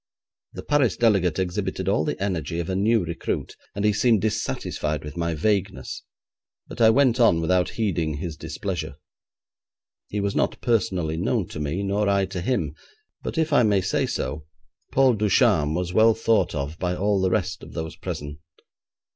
The Paris delegate exhibited all the energy of a new recruit, and he seemed dissatisfied with my vagueness, but I went on without heeding his displeasure. He was not personally known to me, nor I to him, but if I may say so, Paul Ducharme was well thought of by all the rest of those present.